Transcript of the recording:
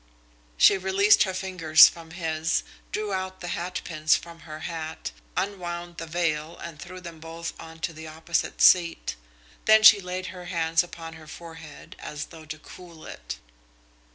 She released her fingers from his, drew out the hatpins from her hat, unwound the veil and threw them both on to the opposite seat. Then she laid her hands upon her forehead as though to cool it.